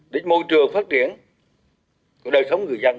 đến môi trường phát triển của đời sống người dân